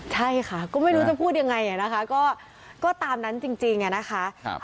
ใช่ค่ะก็ไม่รู้จะพูดยังไงนะคะก็ตามนั้นจริงอะนะคะ